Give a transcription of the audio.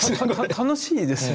楽しいですよね。